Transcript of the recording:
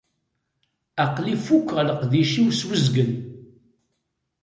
Aql-i fukkeɣ leqdic-iw s wezgen.